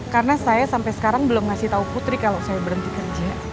karena saya sampai sekarang belum kasih tahu putri kalau saya berhenti kerja